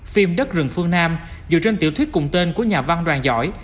phim đất rừng phương nam dựa trên tiểu thuyết cùng tên của nhà văn đoàn giỏi